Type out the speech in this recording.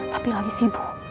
tapi lagi sibuk